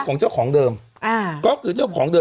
ของเจ้าของเดิมอ่าก็คือเจ้าของเดิม